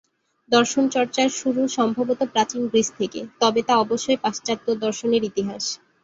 দর্শন চর্চার শুরু সম্ভবত প্রাচীন গ্রিস থেকে; তবে তা অবশ্যই পাশ্চাত্য দর্শনের ইতিহাস।